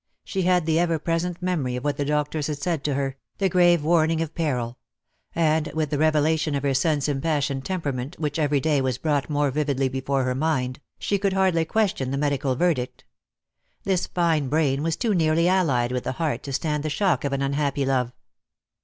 She had the ever present memoiy of what the doctors had said to her, that grave warning of peril; and, with the revelation of her son's impassioned temperament which every day was brought more vividly before her mind, she could hardly question the medical verdict This fine brain was too nearly allied with the heart to stand the shock of an unhappy love.